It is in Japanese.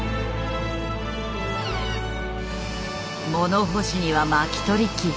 物干しには巻き取り機。